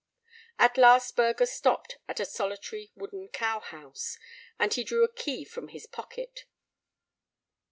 At last Burger stopped at a solitary wooden cow house, and he drew a key from his pocket.